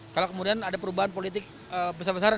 kalau kemudian ada perubahan politik besar besaran